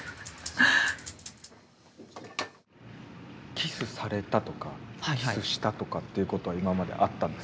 キスされたとかキスしたとかっていうことは今まであったんですか？